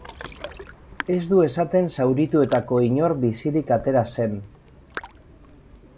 Ez du esaten zaurituetako inor bizirik atera zen.